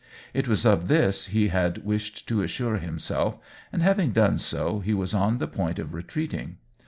It was of this he had wished to assure himself, and having done so, he was on the point of retreating.